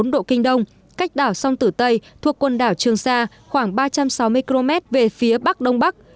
một trăm một mươi năm bốn độ kinh đông cách đảo sông tử tây thuộc quần đảo trường sa khoảng ba trăm sáu mươi km về phía bắc đông bắc